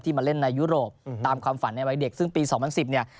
มาเล่นในยุโรปตามความฝันในวัยเด็กซึ่งปี๒๐๑๐เนี่ย